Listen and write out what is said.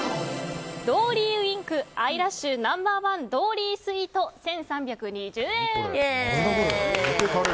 ドーリーウインクアイラッシュＮｏ．１ドーリースイート１３２０円。